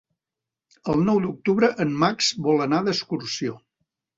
El nou d'octubre en Max vol anar d'excursió.